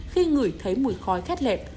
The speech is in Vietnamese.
khi ngửi thấy mùi khói khét lẹp